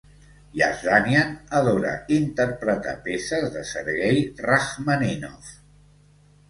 Yazdanian adora interpretar peces de Sergei Rachmaninov.